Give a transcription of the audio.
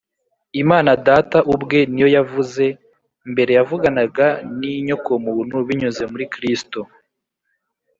Imana Data ubwe ni yo yavuze. Mbere yavuganaga n’inyokomuntu binyuze muri Kristo